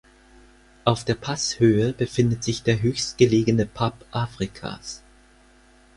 Auf der Passhöhe befindet sich der höchstgelegene Pub Afrikas.